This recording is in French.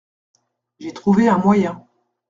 J’ai trouvé un moyen.